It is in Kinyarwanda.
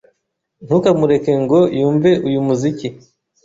Ntukamureke ngo yumve uyu muziki.